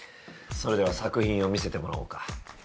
それでは作品を見せてもらおうか。